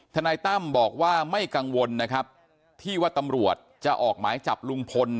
นายตั้มบอกว่าไม่กังวลนะครับที่ว่าตำรวจจะออกหมายจับลุงพล